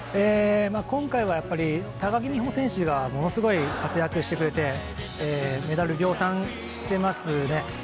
今回はやっぱり高木美帆選手がものすごい活躍してくれてメダル量産してますね。